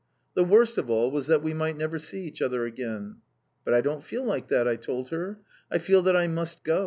The worst of all was that we might never see each other again. "But I don't feel like that," I told her. "I feel that I must go!